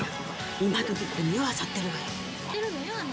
「今どきごみをあさってるわよ」